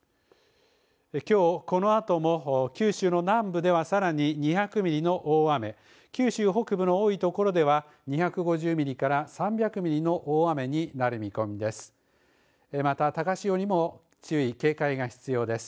きょうこのあともを九州の南部ではさらに２００ミリの大雨、九州北部の多いところでは２５０ミリから３００ミリの大雨になる見込みです。